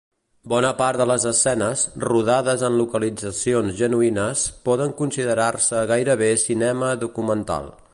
Bona part de les escenes, rodades en localitzacions genuïnes, poden considerar-se gairebé cinema documental.